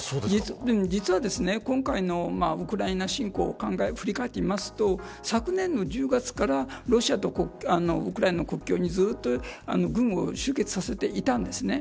実は今回のウクライナ侵攻を振り返ってみると昨年の１０月からロシアとウクライナの国境にずっと軍を集結させていたんですね。